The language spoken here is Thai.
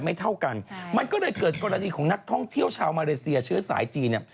มันก็เลยเกิดกรณีของนักท่องเที่ยวชาวมาเลเซียเชื้อสายจีน